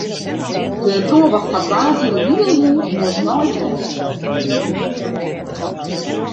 De brânwacht hat woansdei de hiele jûn oan it neidwêsten west by de winkel.